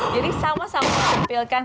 jadi sama sama tampilkan